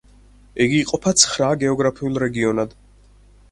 იგი იყოფა ცხრა გეოგრაფიულ რეგიონად.